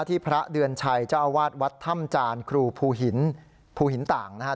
พระเดือนชัยเจ้าอาวาสวัดถ้ำจานครูภูหินภูหินต่างนะครับ